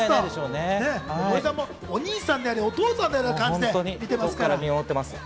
森さんもお兄さんであり、お父さんである感じで見ていますから。